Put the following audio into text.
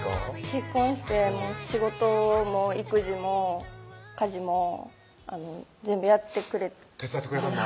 結婚して仕事も育児も家事も全部やってくれて手伝ってくれてるの？